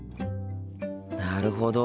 なるほど。